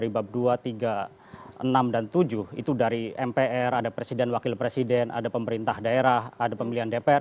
dari bab dua tiga enam dan tujuh itu dari mpr ada presiden wakil presiden ada pemerintah daerah ada pemilihan dpr